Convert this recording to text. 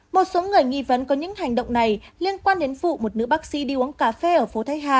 một số người nghi vấn có những hành động này liên quan đến vụ một nữ bác sĩ đi uống cà phê ở phố thái hà